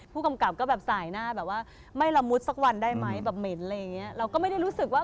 ผู้กำกับก็สายหน้าแบบว่าไม่ละมุดสักวันได้ไหมเหม็นเราก็ไม่ได้รู้สึกว่า